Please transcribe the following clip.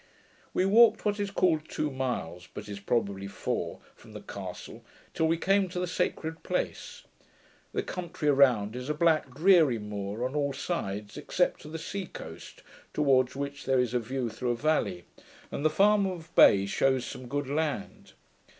We walked what is called two miles, but is probably four, from the castle, till we came to the sacred place. The country around is a black dreary moor on all sides, except to the sea coast, towards which there is a view through a valley, and the farm of Bay shews some good land.